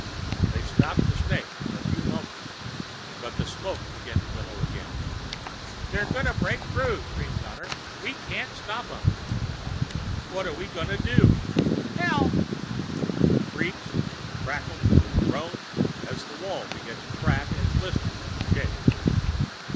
They stopped the snake for a few moments, but the smoke began to billow again. "They're gonna break through!" screamed Donner. "We can't stop 'em!" "What are we gonna do?" "Help!" Creakings, cracklings, groanings, as the walls began to crack and blister and shake.